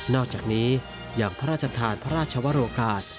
อกจากนี้อย่างพระราชทานพระราชวรกาศ